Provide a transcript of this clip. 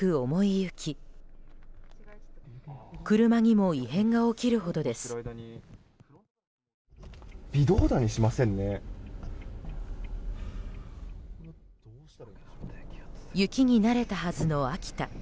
雪に慣れたはずの秋田。